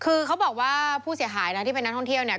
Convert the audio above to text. คือเขาบอกว่าผู้เสียหายที่ไปนัดท่องเที่ยว